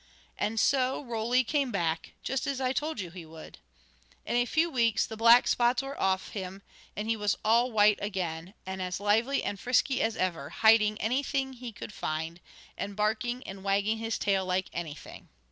And so Roly came back, just as I told you he would. In a few weeks the black spots wore off him, and he was all white again, and as lively and frisky as ever, hiding anything he could find, and barking and wagging his tail like anything.